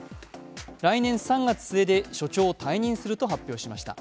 来年３月末で所長を退任すると発表しました。